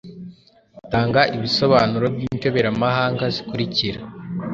Tanga ibisobanuro by’inshoberamahanga zikurikira :